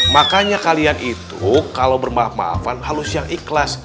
makanya kalian itu kalau bermahafan harus yang ikhlas